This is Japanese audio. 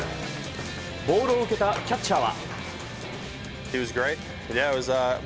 ボールを受けたキャッチャーは。